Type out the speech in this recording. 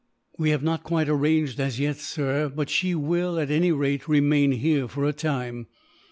"We have not quite arranged, as yet, sir; but she will, at any rate, remain here for a time.